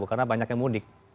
karena banyak yang mudik